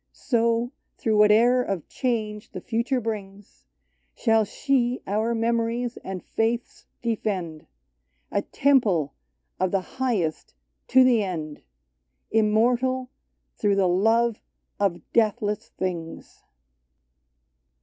So, through whate'er of change the future brings. Shall she our memories and faiths defend, — A temple of the highest to the end. Immortal through the love of deathless things